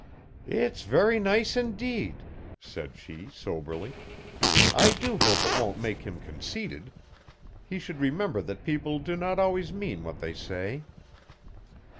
'It's very nice, indeed,' said she soberly. 'I do hope it won't make him conceited. He should remember that people do not always mean what they say.'